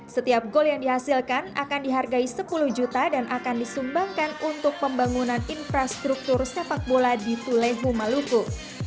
setiap gol yang dihasilkan akan dihargai sepuluh juta dan akan disumbangkan untuk pembangunan infrastruktur sepak bola di tulehu maluku